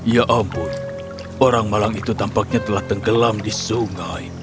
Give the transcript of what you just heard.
ya ampun orang malang itu tampaknya telah tenggelam di sungai